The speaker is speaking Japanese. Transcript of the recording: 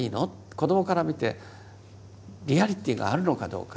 子どもから見てリアリティーがあるのかどうか。